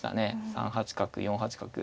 ３八角４八角。